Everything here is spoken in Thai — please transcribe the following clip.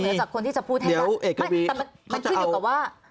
นอกจากคนที่จะพูดให้นะแต่มันคืออยู่กับว่าเดี๋ยวเอกวี